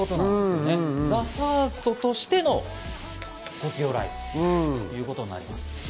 ＴＨＥＦＩＲＳＴとしての卒業ライブということです。